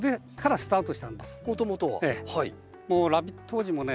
当時もね